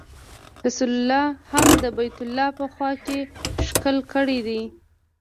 رسول الله هم د بیت الله په خوا کې ښکل کړی دی.